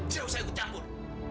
jauh saya ke campur